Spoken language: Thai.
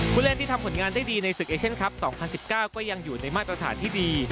ผู้เล่นที่ทำผลงานได้ดีในศึกเอเชียนคลับ๒๐๑๙ก็ยังอยู่ในมาตรฐานที่ดี